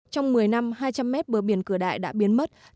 trong một mươi năm hai trăm linh mét bờ biển cửa đại đã biến mất